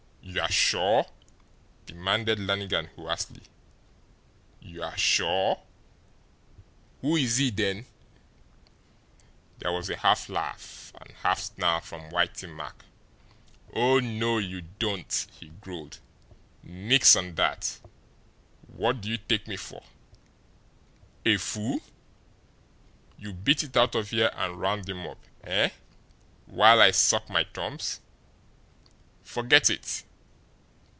"You're sure?" demanded Lannigan hoarsely. "You're sure? Who is he, then?" There was a half laugh, half snarl from Whitey Mack. "Oh, no, you don't!" he growled. "Nix on that! What do you take me for a fool? You beat it out of here and round him up eh while I suck my thumbs? Say, forget it!